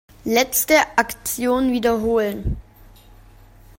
Letzte Aktion wiederholen.